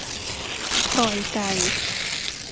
ปล่อยไก่